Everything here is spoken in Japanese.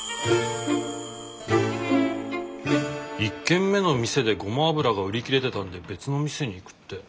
１軒目の店でゴマ油が売り切れてたんで別の店に行くって。